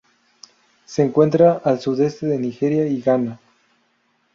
Se encuentra al sudeste de Nigeria y Ghana.